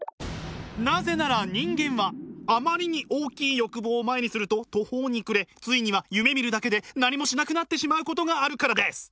なぜなら人間はあまりに大きい欲望を前にすると途方に暮れついには夢みるだけで何もしなくなってしまうことがあるからです！